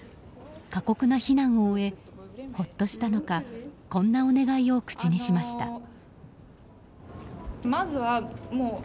過酷な避難を終えほっとしたのかこんなお願いを口にしました。